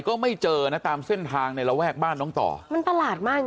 ก็ไม่เจอนะตามเส้นทางในระแวกบ้านน้องต่อมันประหลาดมากจริง